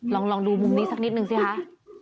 ลองดูมุมนี้สักนิดนึงสิคะ